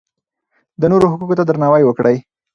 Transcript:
د نورو حقونو ته درناوی وکړئ.